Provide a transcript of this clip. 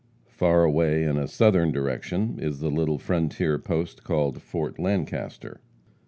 Far away in a southern direction is the little frontier post called Fort Lancaster.